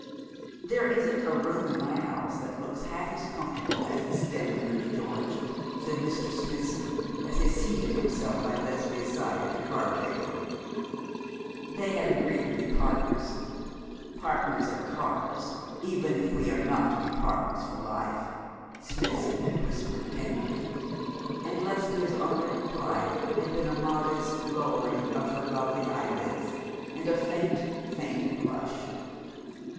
'There isn't a room in my house that looks half as comfortable as this den of yours, George,' said Mr. Smithson, as he seated himself by Lesbia's side at the card table. They had agreed to be partners. 'Partners at cards, even if we are not to be partners for life,' Smithson had whispered, tenderly; and Lesbia's only reply had been a modest lowering of lovely eyelids, and a faint, faint blush.